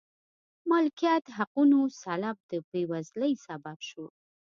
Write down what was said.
مالکیت حقونو سلب د بېوزلۍ سبب شو.